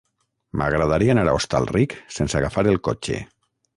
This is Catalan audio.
M'agradaria anar a Hostalric sense agafar el cotxe.